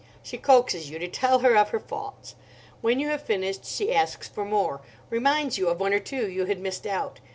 She coaxes you to tell her of her faults. When you have finished she asks for more—reminds you of one or two you had missed out.